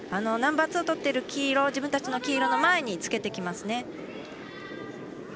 ナンバーツーとってる自分たちの黄色の前につけてきますね。